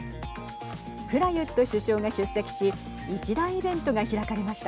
プラユット首相が出席し一大イベントが開かれました。